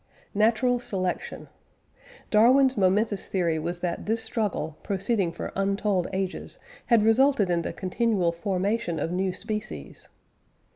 "NATURAL SELECTION." Darwin's momentous theory was that this struggle, proceeding for untold ages, had resulted in the continual formation of new species.